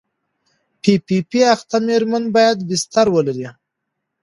پي پي پي اخته مېرمنې باید بستر ولري.